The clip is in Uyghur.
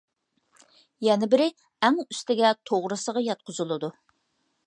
يەنە بىرى ئەڭ ئۈستىگە توغرىسىغا ياتقۇزۇلىدۇ.